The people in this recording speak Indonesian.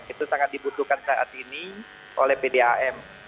itu sangat dibutuhkan saat ini oleh pdam